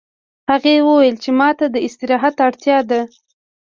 هغې وویل چې ما ته د استراحت اړتیا ده